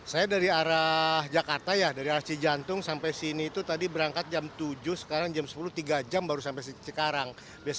saya dari arah jakarta ya dari arah cijantung sampai sini itu tadi berangkat jam tujuh sekarang jam sepuluh tiga jam baru sampai sekarang